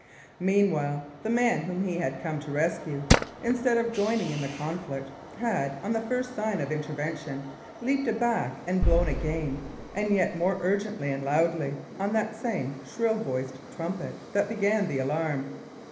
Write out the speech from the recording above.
Meanwhile the man whom he had come to rescue, instead of joining in the conflict, had, on the first sign of intervention, leaped aback and blown again, and yet more urgently and loudly, on that same shrill voiced trumpet that began the alarm.